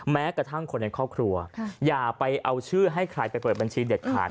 แม้กระทั่งคนในครอบครัวอย่าไปเอาชื่อให้ใครไปเปิดบัญชีเด็ดขาด